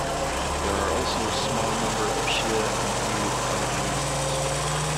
There are also small number of Shia and few Ahmadi Muslims.